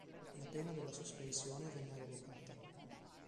La pena della sospensione venne revocata.